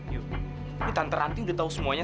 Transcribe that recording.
yudh ini tante ranti udah tau semuanya